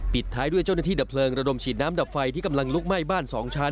ท้ายด้วยเจ้าหน้าที่ดับเพลิงระดมฉีดน้ำดับไฟที่กำลังลุกไหม้บ้าน๒ชั้น